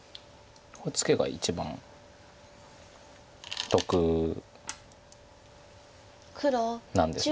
ツケが一番得なんです。